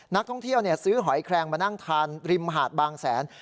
นักท่องเที่ยวซื้อหอยแคลงมานั่งทานริมหาดบางแสน